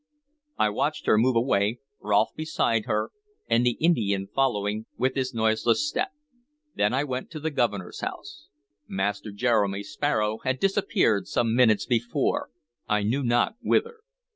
I watched her move away, Rolfe beside her, and the Indian following with his noiseless step; then I went to the Governor's house. Master Jeremy Sparrow had disappeared some minutes before, I knew not whither.